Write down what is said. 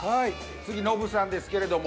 次ノブさんですけれども。